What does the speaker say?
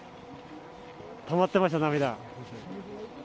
たまってました、涙。